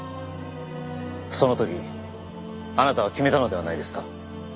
その時あなたは決めたのではないですか？